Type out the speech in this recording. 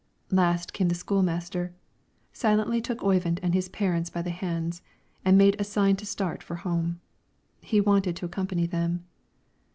Last came the school master, silently took Oyvind and his parents by the hands, and made a sign to start for home; he wanted to accompany them.